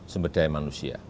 sumber daya manusia